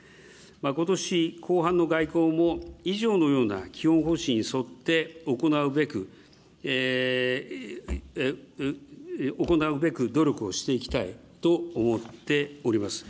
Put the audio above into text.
ことし後半の外交も、以上のような基本方針に沿って行うべく、行うべく努力をしていきたいと思っております。